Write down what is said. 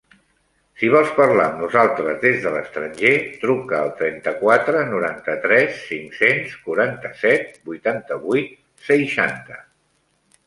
Si vols parlar amb nosaltres des de l'estranger, truca al trenta-quatre noranta-tres cinc-cents quaranta-set vuitanta-vuit seixanta.